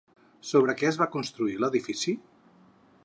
Sobre què es va construir l’edifici?